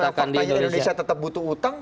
tapi kalau memang faktanya indonesia tetap butuh utang